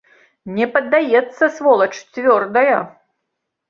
Не паддаецца, сволач, цвёрдая.